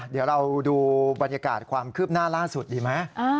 เดี๋ยวเราดูบรรยากาศความคืบหน้าล่าสุดดีไหม